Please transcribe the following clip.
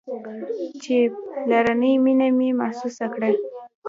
چې پلرنۍ مينه مې محسوسه کړه.